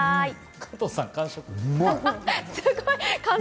加藤さん、完食！